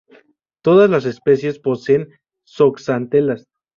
Todas las especies poseen zooxantelas.